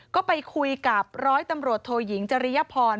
ก็ไปคุยกับร้อยตำรวจโทยิงจริยพร